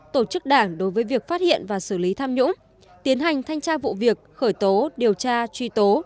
tổ chức đảng đối với việc phát hiện và xử lý tham nhũng tiến hành thanh tra vụ việc khởi tố điều tra truy tố